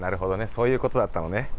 そういうことだったのね。